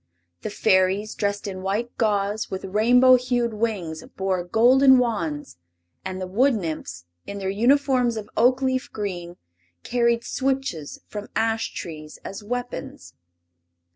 The Fairies, dressed in white gauze with rainbow hued wings, bore golden wands, and the Wood nymphs, in their uniforms of oak leaf green, carried switches from ash trees as weapons.